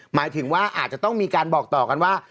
หมายถึงว่าอาจจะต้องมีการบอกต่อกันว่า